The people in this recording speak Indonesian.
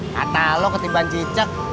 kata lo ketibaan cicak